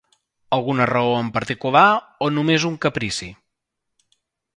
Alguna raó en particular, o només un caprici?